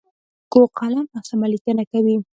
کوږ قلم ناسمه لیکنه کوي